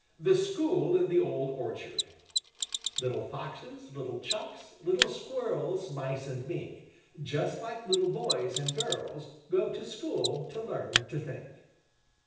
THE SCHOOL IN THE OLD ORCHARD Little Foxes, little Chucks, Little Squirrels, Mice and Mink, Just like little boys and girls, Go to school to learn to think.